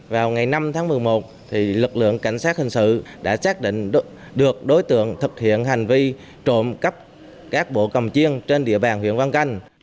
vào ngày năm tháng một mươi một lực lượng cảnh sát hình sự đã xác định được đối tượng thực hiện hành vi trộm cắp các bộ cầm chiêng trên địa bàn huyện quang canh